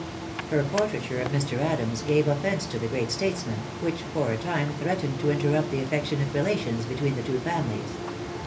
Her portraiture of Mr. Adams gave offence to the great statesman, which for a time threatened to interrupt the affectionate relations between the two families.